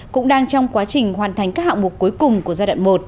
cũng đang trong quá trình hoàn thành các hạng mục cuối cùng của giai đoạn một